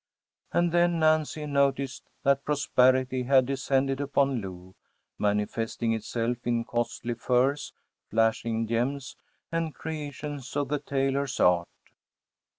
And then Nancy noticed that prosperity had descended upon Lou, manifesting itself in costly furs, flashing gems, and creations of the tailors’ art.